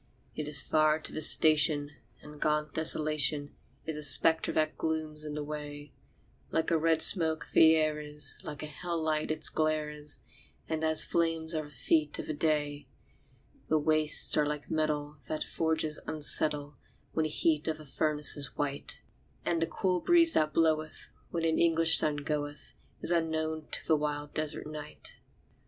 It is far to the station, and gaunt Desolation Is a spectre that glooms in the way; Like a red smoke the air is, like a hell light its glare is, And as flame are the feet of the day. The wastes are like metal that forges unsettle When the heat of the furnace is white; And the cool breeze that bloweth when an English sun goeth, Is unknown to the wild desert night.